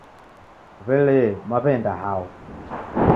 W'elee, Mwaw'enda hao?